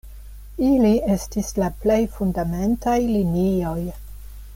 Ili estis la plej fundamentaj linioj.